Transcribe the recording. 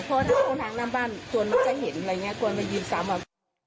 เพราะทางน้ำบ้านจนมันจะเห็นอะไรอย่างนี้กลัวมันยืนซ้ำมา